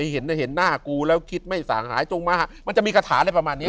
เห็นหน้ากูแล้วคิดไม่สั่งหายจงมามันจะมีคาถาอะไรประมาณนี้